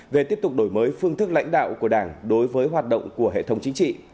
về tiếp tục đổi mới phương thức lãnh đạo của đảng đối với hoạt động của hệ thống chính trị